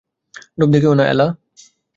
লোভ দেখিয়ো না, এলা।